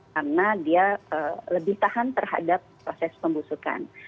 karena dia lebih tahan terhadap proses pembusukan